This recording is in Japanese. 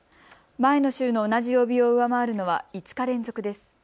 前の週の同じ曜日を上回るのは５日連続です。